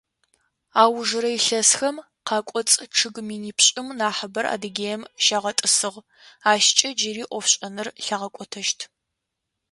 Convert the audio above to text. Аужырэ илъэсхэм къакӏоцӏ чъыг минипшӏым нахьыбэр Адыгеим щагъэтӏысыгъ, ащкӏэ джыри ӏофшӏэныр лъагъэкӏотэщт.